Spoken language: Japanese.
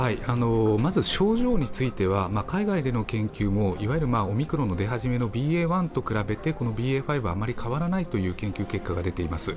まず症状については海外での研究のオミクロンの出始めのＢＡ．１と比べてＢＡ．５はあまり変わらないという結果が出ています。